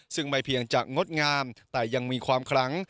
ซึ่งไม่เพียงจะงดงามแต่ยังมีความคลัง